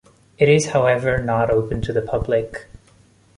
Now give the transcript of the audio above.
It is however not open to the public.